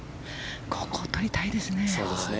ここ、取りたいですね。